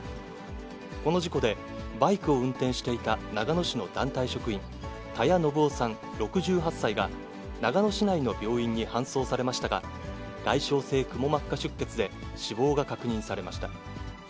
この事故で、バイクを運転していた長野市の団体職員、田矢伸雄さん６８歳が長野市内の病院に搬送されましたが、外傷性くも膜下出血で死亡が確認されました。